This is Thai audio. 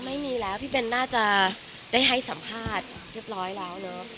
ไม่มีแล้วพี่เบนน่าจะได้ให้สัมภาษณ์เรียบร้อยแล้วเนอะ